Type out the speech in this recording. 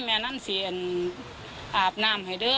แม่นั่นสิอาบน้ำให้เด้อ